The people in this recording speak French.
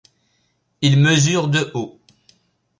Il mesure de haut.